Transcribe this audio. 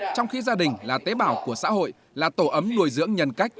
trong khi gia đình là tế bào của xã hội là tổ ấm nuôi dưỡng nhân cách